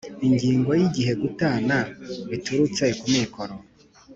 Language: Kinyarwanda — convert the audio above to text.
Ingingo ya Igihe gutana biturutse ku mukoro